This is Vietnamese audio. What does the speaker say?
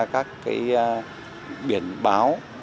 các cái biển báo